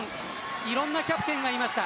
いろんなキャプテンがいました。